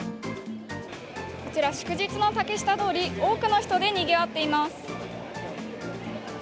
こちら、祝日の竹下通り、多くの人でにぎわっています。